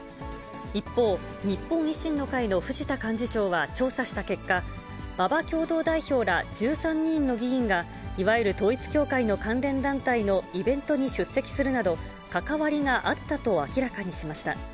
一方、日本維新の会の藤田幹事長は調査した結果、馬場共同代表ら１３人の議員がいわゆる統一教会の関連団体のイベントに出席するなど、関わりがあったと明らかにしました。